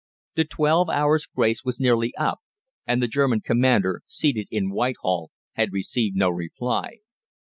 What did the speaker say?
The twelve hours' grace was nearly up, and the German Commander, seated in Whitehall, had received no reply.